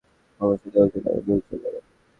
পরামর্শ দেয়ার জন্য এত দূর চলে এলেন?